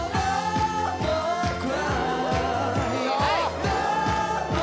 はい！